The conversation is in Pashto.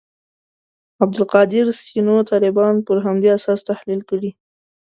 عبدالقادر سینو طالبان پر همدې اساس تحلیل کړي.